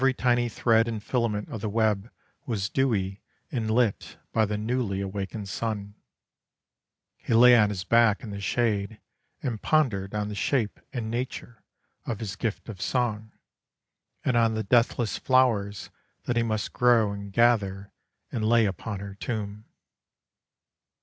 Every tiny thread and filament of the web was dewy and lit by the newly awakened sun. He lay on his back in the shade and pondered on the shape and nature of his gift of song, and on the deathless flowers that he must grow and gather and lay upon her tomb.